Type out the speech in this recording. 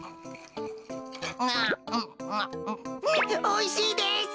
おいしいです。